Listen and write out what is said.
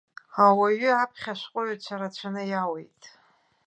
Ауаҩы аԥхьашәҟәыҩҩцәа рацәаны иауеит.